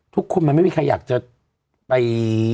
ทุกคนมันไม่มีใครอยากจะไป